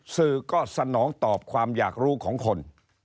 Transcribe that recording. สื่อก็สนองตอบความอยากรู้ของคน